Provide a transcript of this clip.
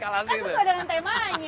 kan sesuai dengan temanya